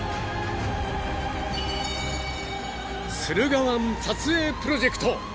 ［駿河湾撮影プロジェクト